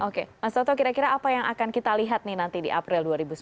oke mas toto kira kira apa yang akan kita lihat nih nanti di april dua ribu sembilan belas